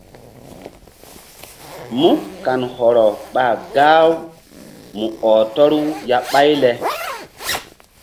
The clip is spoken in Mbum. Mú kan hɔrɔ ɓa gah-u mu ɔh tɔru ya ɓáy le.